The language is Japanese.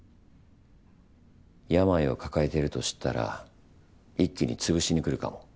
病を抱えてると知ったら一気に潰しにくるかも。